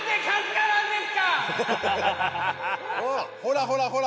ほらほらほら。